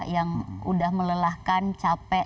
yang sudah melelahkan capek